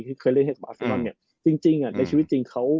ที่เคยเรียนให้บราซินอนเนี่ยจริงอ่ะในชีวิตจริงเขา